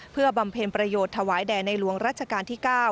เพื่อบำเพ็ญประโยชน์ถวายแด่ในหลวงรัชกาลที่๙